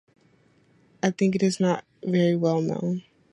I think it is not very well known.